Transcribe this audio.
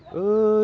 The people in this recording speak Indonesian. pada saat itu